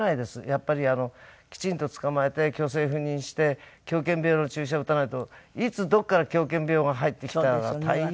やっぱりきちんと捕まえて去勢不妊して狂犬病の注射を打たないといつどこから狂犬病が入ってきたら大変ですからね。